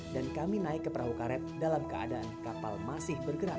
dan kami naik ke perahu karet dalam keadaan kapal masih bergerak